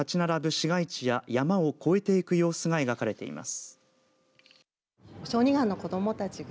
市街地や山を越えていく様子が描かれています。